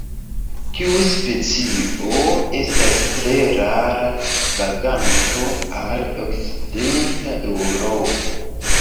Tiu specio estas tre rara vaganto al okcidenta Eŭropo.